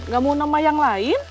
gak mau nama yang lain